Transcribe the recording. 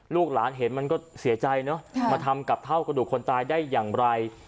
ลูกหลานเห็นมันก็เสียใจเนอะมาทำกับเท่ากระดูกคนตายได้อย่างไร